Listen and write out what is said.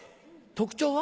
特徴は？